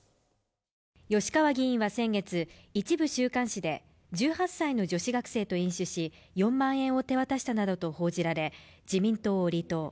吉川議員は先月、一部週刊誌で１８歳の女子学生と飲酒し４万円を手渡したなどと報じられ自民党を離党。